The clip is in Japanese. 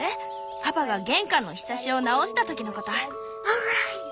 パパが玄関のひさしを直した時のこと。